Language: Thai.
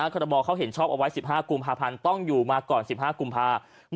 ครบเขาเห็นชอบเอาไว้๑๕กุมภาพันธ์ต้องอยู่มาก่อน๑๕กุมภาคม